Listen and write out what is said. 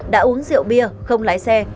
đã uống rượu bia không lái xe